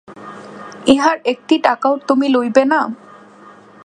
ইহার একটি টাকাও তুমি লইবে না?